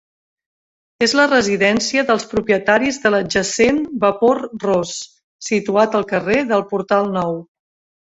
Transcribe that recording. És la residència dels propietaris de l'adjacent Vapor Ros, situat al carrer del Portal Nou.